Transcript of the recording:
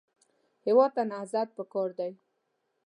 هېواد ته نهضت پکار دی